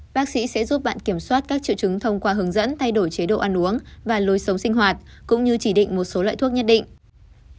bác sĩ sẽ giúp bạn kiểm soát các triệu chứng thông qua hướng dẫn thay đổi chế độ ăn uống và lối sống sinh hoạt cũng như chỉ định một số loại thuốc nhất định